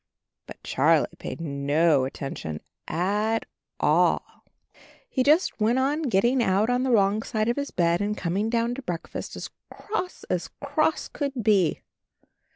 But Charlie paid no attention at all. He AND HIS KITTEN TOPSY 51 just went on getting out on the wrong side of his bed and coming down to breakfast as cross as cross could be.